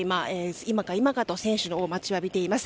今か今かと選手を待ちわびています。